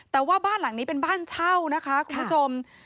แต่ว่าบ้านหลังนี้เป็นบ้านเช่านะคะคุณผู้ชม